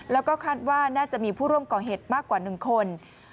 แล้วก็คาดว่าน่าจะมีผู้ร่วมก่อเหตุมากกว่า๑คน